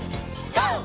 ＧＯ！